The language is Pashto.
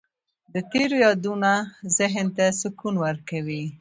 د تېرو یادونه ذهن ته سکون ورکوي.